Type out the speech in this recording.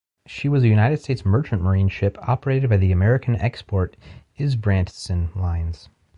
She was a United States Merchant Marine ship operated by the American Export-Isbrandtsen Lines.